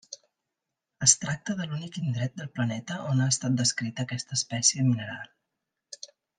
Es tracta de l'únic indret del planeta on ha estat descrita aquesta espècie mineral.